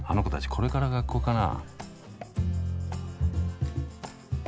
これから学校かな？